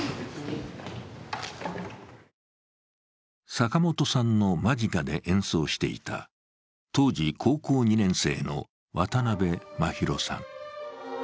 坂本さんの間近で演奏していた当時高校２年生の渡邉真浩さん。